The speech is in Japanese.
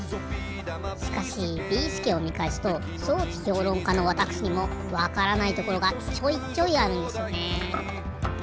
しかしビーすけをみかえすと装置評論家のわたくしにもわからないところがちょいちょいあるんですよね。